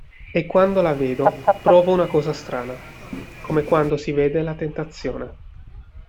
E quando la vedo provo una cosa strana, come quando si vede la tentazione.